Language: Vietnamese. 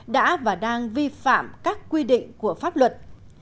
đã và đang vi phạm các quy định của pháp luật